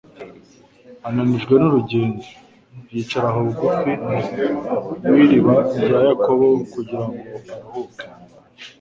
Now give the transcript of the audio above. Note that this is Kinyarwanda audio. Ananijwe n’urugendo, yicara aho bugufi w’iriba rya Yakobo kugira ngo aruhuke,